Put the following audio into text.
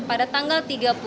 pada tanggal tiga puluh